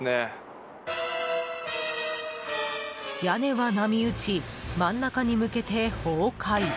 屋根は波打ち真ん中に向けて崩壊。